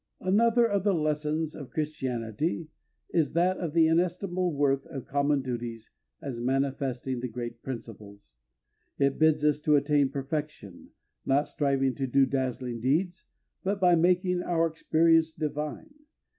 Another of the lessons of Christianity is that of the inestimable worth of common duties as manifesting the greatest principles. It bids us to attain perfection, not striving to do dazzling deeds, but by making our experience divine.